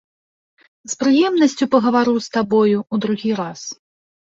З прыемнасцю пагавару з табою ў другі раз.